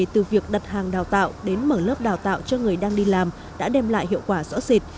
từ việc đặt hàng đào tạo đến mở lớp đào tạo cho người đang đi làm đã đem lại hiệu quả rõ rệt